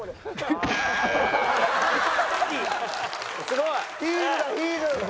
すごいな。